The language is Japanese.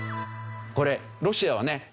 これロシアはね